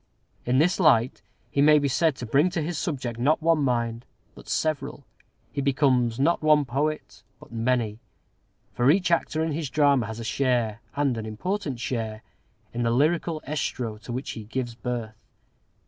In this light he may be said to bring to his subject not one mind, but several; he becomes not one poet, but many; for each actor in his drama has a share, and an important share, in the lyrical estro to which he gives birth.